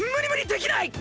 できない！